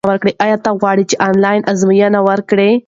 ایا ته غواړې چې آنلاین ازموینه ورکړې؟